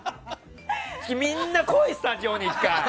みんな来い、スタジオに１回！